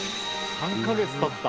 ３ヵ月たった。